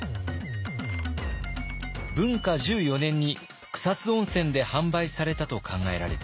文化１４年に草津温泉で販売されたと考えられています。